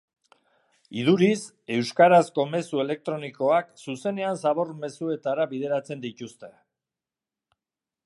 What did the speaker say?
Iduriz, euskarazko mezu elektronikoak zuzenean zabor-mezuetara bideratzen dituzte.